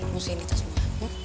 ngusihin kita semua